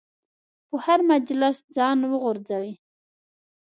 په هر مجلس ځان ورغورځوي.